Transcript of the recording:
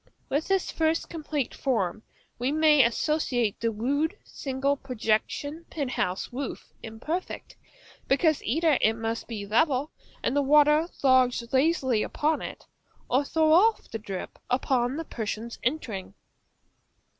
With this first complete form we may associate the rude, single, projecting, penthouse roof; imperfect, because either it must be level and the water lodge lazily upon it, or throw off the drip upon the persons entering.